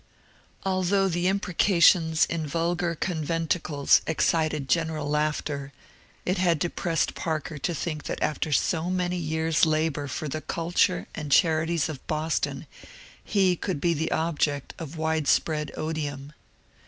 Although the imprecations in vulgar conventicles excited gen eral laughter, it had depressed Parker to think that after so many years' labour for the culture and charities of Boston he could be the object of widespread odium.